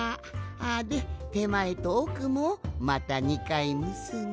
でてまえとおくもまた２かいむすんで。